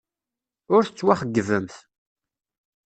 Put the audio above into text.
Ur tettwaxeyybemt.